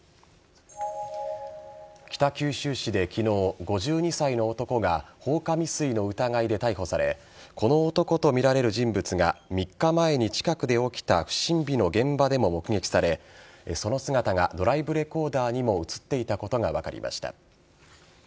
北九州市で昨日、５２歳の男が放火未遂の疑いで逮捕されこの男とみられる人物が３日前に近くで起きた不審火の現場でも目撃されその姿がドライブレコーダーにも映っていたことが分かりました。